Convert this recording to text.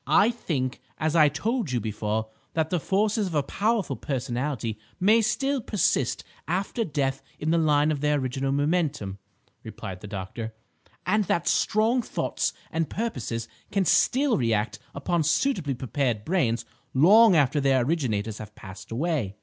"I think, as I told you before, that the forces of a powerful personality may still persist after death in the line of their original momentum," replied the doctor; "and that strong thoughts and purposes can still react upon suitably prepared brains long after their originators have passed away.